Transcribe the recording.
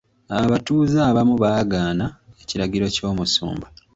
Abatuuze abamu baagaana ekiragiro ky'omusumba.